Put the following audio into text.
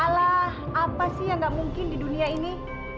salah apa sih yang gak mungkin di dunia ini